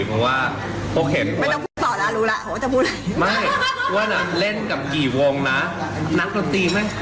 ครั้งหน้าเราหาวงไหม